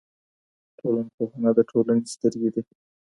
ټولنپوهنه د ټولنې سترګې دي.